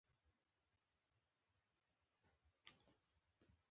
خاوره د افغانانو د اړتیاوو د پوره کولو یوه وسیله ده.